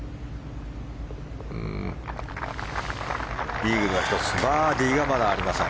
イーグルが１つバーディーがまだありません。